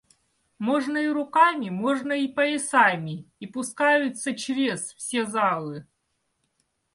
Можно и руками, можно и поясами, и пускаются чрез все залы.